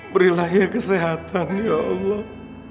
berilah ya kesehatan ya allah